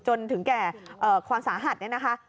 จนถึงแก่ความสาหัสเนี่ยนะคะ